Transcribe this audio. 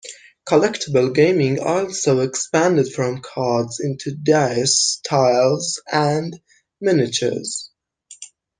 Collectible gaming also expanded from cards into dice, tiles, and miniatures.